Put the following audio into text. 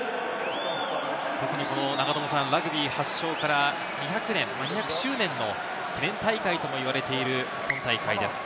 特にラグビー発祥から２００年、２００周年の記念大会とも言われている今大会です。